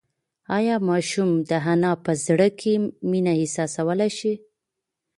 ایا ماشوم د انا په زړه کې مینه احساسولی شي؟